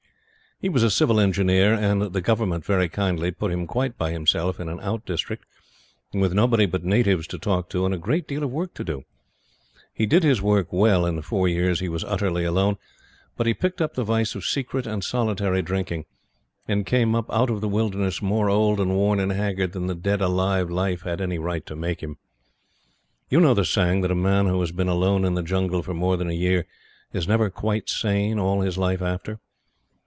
He was a Civil Engineer, and the Government, very kindly, put him quite by himself in an out district, with nobody but natives to talk to and a great deal of work to do. He did his work well in the four years he was utterly alone; but he picked up the vice of secret and solitary drinking, and came up out of the wilderness more old and worn and haggard than the dead alive life had any right to make him. You know the saying that a man who has been alone in the jungle for more than a year is never quite sane all his life after.